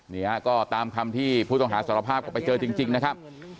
นี่ฮะก็ตามคำที่ผู้ต้องหาสารภาพก็ไปเจอจริงนะครับ